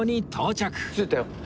着いたよ。